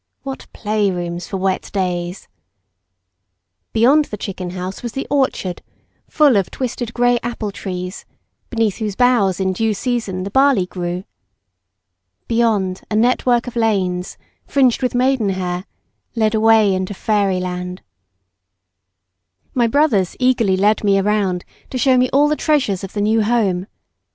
What play rooms for wet days! Beyond the chicken house was the orchard, full of twisted grey apple trees, beneath whose boughs in due season the barley grew. Beyond, a network of lanes, fringed with maiden hair, led away into fairyland. My brothers eagerly led me round to show me all the treasures of the new home.